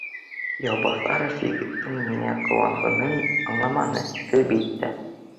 Яубаҫаров егеттең ниңә ҡыуанғанын аңламаны, әлбиттә